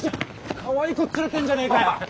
かわいい子連れてんじゃねえかよ。